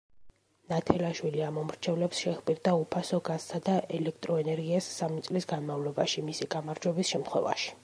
ნათელაშვილი ამომრჩევლებს შეჰპირდა უფასო გაზსა და ელექტროენერგიას სამი წლის განმავლობაში, მისი გამარჯვების შემთხვევაში.